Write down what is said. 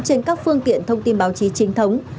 trên các phương tiện thông tin báo chí trinh thống